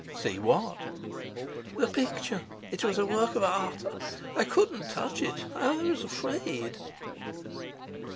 "See what?" "The picture. It was a work of art. I couldn't touch it. I was afraid."